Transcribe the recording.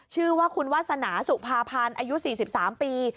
ชื่อว่าคุณวาสนาสุภาพันธ์อายุ๔๓ปี